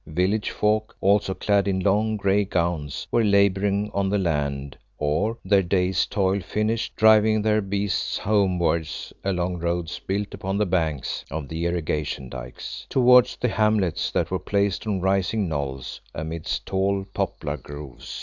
Village folk, also, clad in long, grey gowns, were labouring on the land, or, their day's toil finished, driving their beasts homewards along roads built upon the banks of the irrigation dykes, towards the hamlets that were placed on rising knolls amidst tall poplar groves.